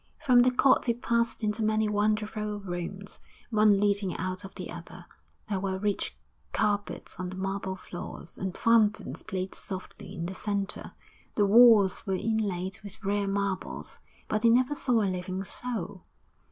From the court he passed into many wonderful rooms, one leading out of the other; there were rich carpets on the marble floors, and fountains played softly in the centre, the walls were inlaid with rare marbles; but he never saw a living soul.